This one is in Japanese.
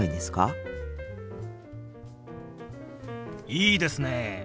いいですね！